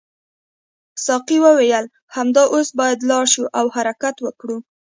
ساقي وویل همدا اوس باید لاړ شو او حرکت وکړو.